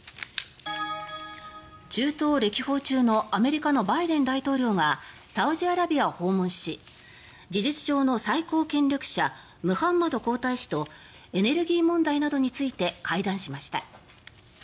中東歴訪中のアメリカのバイデン大統領がサウジアラビアを訪問し事実上の最高権力者ムハンマド皇太子とエネルギー問題などについて会談しました。